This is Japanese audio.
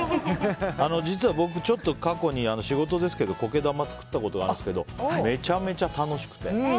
実は僕、ちょっと過去に仕事ですけど苔玉を作ったことがあるんですけどめちゃめちゃ楽しくて。